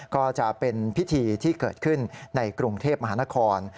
ก็จะเป็นพิธีที่เกิดขึ้นในกรุงเทพมหานคร